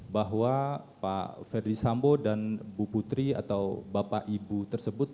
bahwa pak ferdis sambo dan bu putri atau bapak ibu tersebut